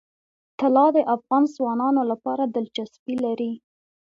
طلا د افغان ځوانانو لپاره دلچسپي لري.